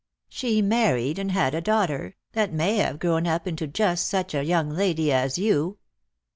She married, and had a daughter, that may have grown up into just such a young lady as you."